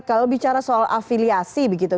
kalau bicara soal afiliasi begitu